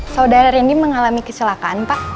saudara rendi mengalami kesilakan pak